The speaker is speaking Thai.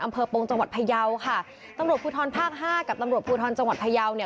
อำเภอปงจังหวัดพยาวค่ะตำรวจภูทรภาคห้ากับตำรวจภูทรจังหวัดพยาวเนี่ย